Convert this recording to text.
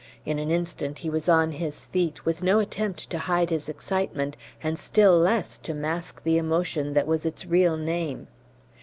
In an instant he was on his feet, with no attempt to hide his excitement, and still less to mask the emotion that was its real name.